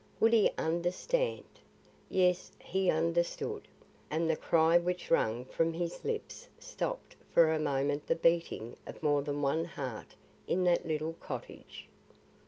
Would he understand? Yes, he understood, and the cry which rang from his lips stopped for a moment the beating of more than one heart in that little cottage.